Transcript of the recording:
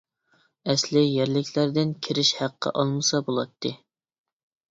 ئەسلى يەرلىكلەردىن كىرىش ھەققى ئالمىسا بولاتتى.